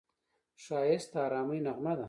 ښایست د ارامۍ نغمه ده